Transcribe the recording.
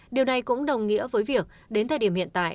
điều này cũng đồng nghĩa với việc đến thời điểm hiện tại